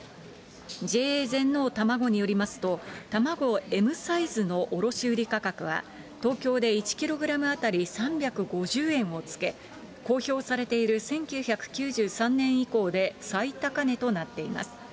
ＪＡ全農たまごによりますと、卵Ｍサイズの卸売り価格は東京で１キログラム当たり３５０円をつけ、公表されている１９９３年以降で、最高値となっています。